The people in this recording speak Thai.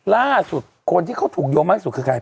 ล่าสุดคนที่เขาถูกโยงมากที่สุดคือใคร